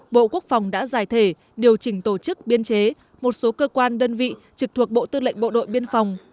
bộ quốc phòng đã giải thể điều chỉnh tổ chức biên chế một số cơ quan đơn vị trực thuộc bộ tư lệnh bộ đội biên phòng